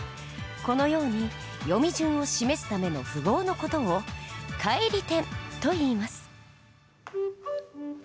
このように読み順を示すための符号の事を「返り点」といいます。